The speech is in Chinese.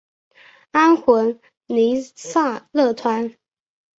安魂弥撒乐团。